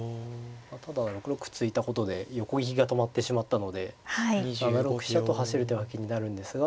ただ６六歩突いたことで横利きが止まってしまったので７六飛車と走る手は気になるんですが。